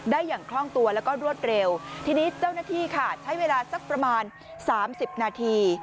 อย่างคล่องตัวแล้วก็รวดเร็วทีนี้เจ้าหน้าที่ค่ะใช้เวลาสักประมาณสามสิบนาที